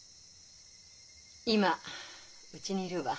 今うちにいるわ。